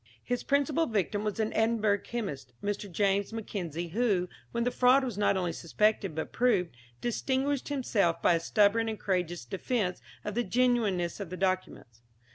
His principal victim was an Edinburgh chemist, Mr. James Mackenzie, who, when the fraud was not only suspected, but proved, distinguished himself by a stubborn and courageous defence of the genuineness of the documents.